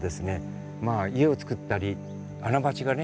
まあ家を造ったりアナバチがね